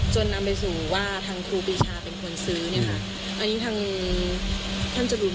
จนนำไปสู่ว่าทางครูปีชาเป็นคนซื้อเนี่ยค่ะ